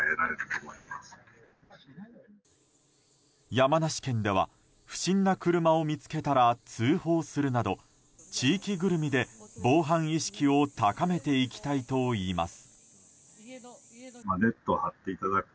山梨県では不審な車を見つけたら通報するなど地域ぐるみで防犯意識を高めていきたいといいます。